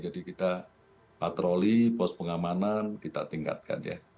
jadi kita patroli pos pengamanan kita tingkatkan ya